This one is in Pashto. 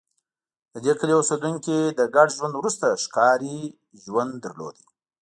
د دې کلي اوسېدونکي له ګډ ژوند وروسته ښکاري ژوند درلود